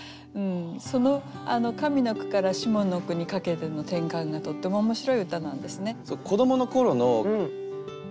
その上の句から下の句にかけての転換がとっても面白い歌なんですね。